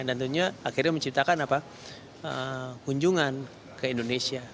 dan tentunya akhirnya menciptakan kunjungan ke indonesia